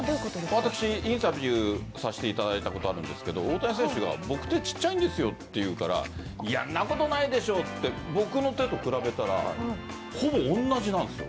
私、インタビューさせていただいたことがあるんですが大谷選手が僕、手、小さいんですよと言うからそんなことないでしょうと僕の手と比べたらほぼ同じなんです。